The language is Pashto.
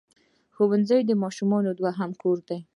ښوونځی د ماشوم دوهم کور دی